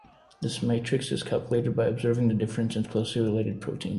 This matrix is calculated by observing the differences in closely related proteins.